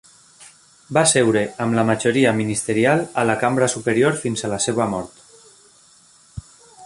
Va seure amb la majoria ministerial a la cambra superior fins a la seva mort.